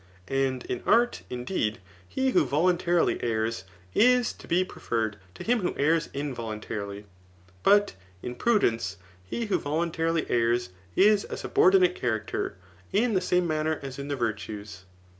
And in art, indeed, he who voluntarily errs, is to be pre ferred to him who errs involuntarily ; but in prudence he who voluntarily errs is a subordinate character, in the same manner as in the virtues.